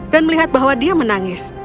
dan melihat bahwa dia menangis